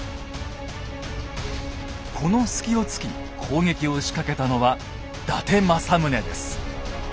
この隙をつき攻撃を仕掛けたのは伊達政宗です。